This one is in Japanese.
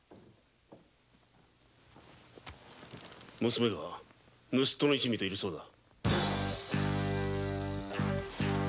娘御がぬすっとの一味といるそうだ。